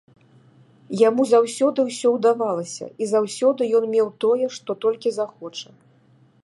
Яму заўсёды ўсё ўдавалася, і заўсёды ён меў тое, што толькі захоча.